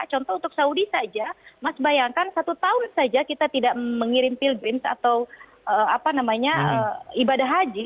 contoh untuk saudi saja mas bayangkan satu tahun saja kita tidak mengirim pilgreens atau ibadah haji